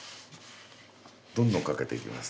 どんどん駆けていきます。